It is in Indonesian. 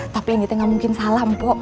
tapi ini teh gak mungkin salah mpo